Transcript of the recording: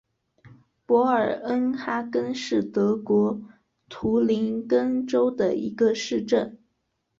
博尔恩哈根是德国图林根州的一个市镇。